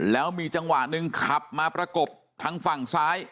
แล้วมีจังหวะหนึ่งขับมาประกบทางฝั่งซ้าย